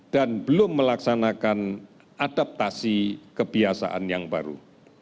dan belum melaksanakan adaptasi kebiasaan yang baru